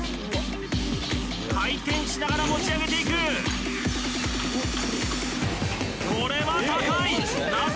回転しながら持ち上げていくこれは高いなぜ